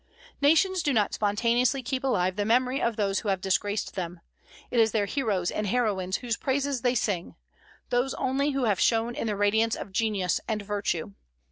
Nations do not spontaneously keep alive the memory of those who have disgraced them. It is their heroes and heroines whose praises they sing, those only who have shone in the radiance of genius and virtue.